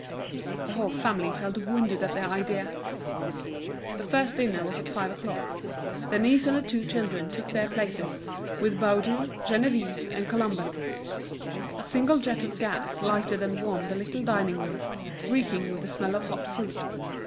The whole family felt wounded at the idea. The first dinner was at five o'clock. Denise and the two children took their places, with Baudu, Geneviève, and Colomban. A single jet of gas lighted and warmed the little dining room, reeking with the smell of hot food.